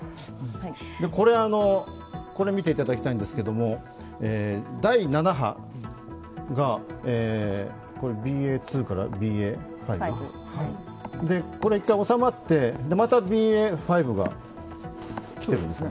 これ見ていただきたいんですけど、第７波がＢＡ．２からＢＡ．５、これが１回収まって、またＢＡ．５が来てるんですね。